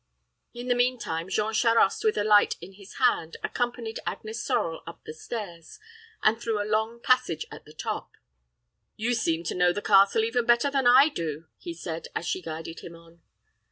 In the mean time, Jean Charost, with a light in his hand, accompanied Agnes Sorel up the stairs, and through a long passage at the top. "You seem to know the castle even better than I do," he said, as she guided him on.